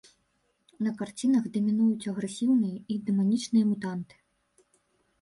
На карцінах дамінуюць агрэсіўныя і дэманічныя мутанты.